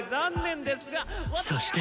そして。